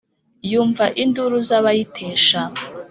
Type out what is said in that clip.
yumva induru z'abayitesha.